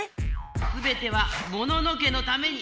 すべてはモノノ家のために。